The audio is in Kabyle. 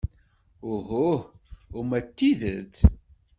Uhuh! Uma d tidet?